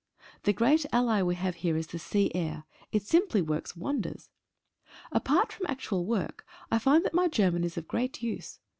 The great ally we have here is the sea air — it simply works wonders. Apart from actual work, I find that my German is of great use.